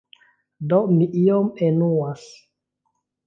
Do mi iom enuas.